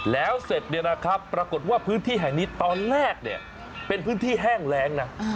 แล้วเสร็จปรากฏว่าพื้นที่แห่งนี้ตอนแรกเป็นพื้นที่แห้งแรงนะ